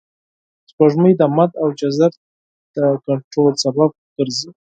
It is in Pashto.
سپوږمۍ د مد او جزر د کنټرول سبب ګرځي